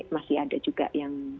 masih ada juga yang